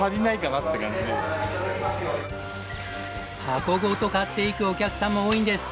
箱ごと買っていくお客さんも多いんです。